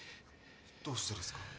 どうしてですか？